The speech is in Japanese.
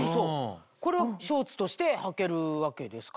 これはショーツとしてはけるわけですか？